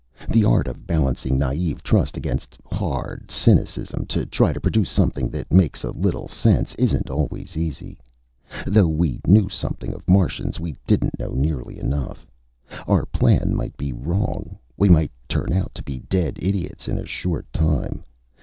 The art of balancing naive trust exactly against hard cynicism, to try to produce something that makes a little sense, isn't always easy. Though we knew something of Martians, we didn't know nearly enough. Our plan might be wrong; we might turn out to be dead idiots in a short time.